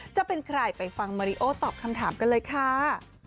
จะเป็นใครไปฟังมาริโอตอบคำถามกันเลยค่ะ